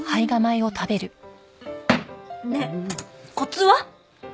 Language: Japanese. ねえコツは？